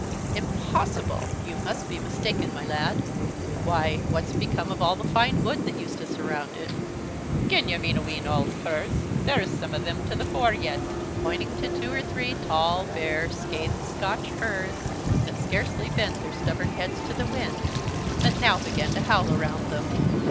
"Impossible! you must be mistaken, my lad: why, what's become of all the fine wood that used to surround it?" "Gin you mean a wheen auld firs, there's some of them to the fore yet," pointing to two or three tall, bare, scathed Scotch firs, that scarcely bent their stubborn heads to the wind, that now began to howl around them.